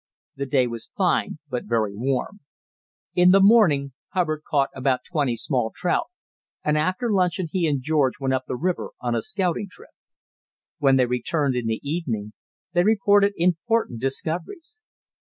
The day was fine, but very warm. In the morning Hubbard caught about twenty small trout, and after luncheon he and George went up the river on a scouting trip. When they returned in the evening, they reported important discoveries.